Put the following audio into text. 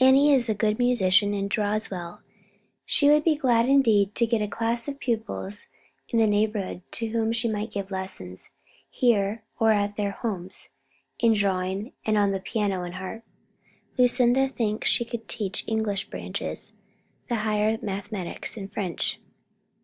"Annie is a good musician and draws well. She would be glad indeed to get a class of pupils in the neighborhood to whom she might give lessons, here or at their own homes, in drawing and on the piano and harp. Lucinda thinks she could teach the English branches, the higher mathematics, and French.